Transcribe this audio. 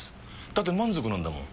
だって満足なんだもん。